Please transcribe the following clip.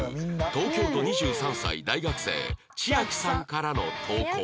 東京都２３歳大学生ちあきさんからの投稿